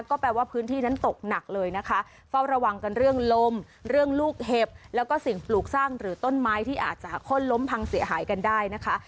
ก็แปลว่าพื้นที่นั้นตกหนักเลยนะคะเฝ้าระวังกันเรื่องลมเรื่องลูกเห็บแล้วก็สิ่งปลูกสร้างหรือต้นไม้ที่อาจจะค้นล้มพังเสียหายกันได้นะคะ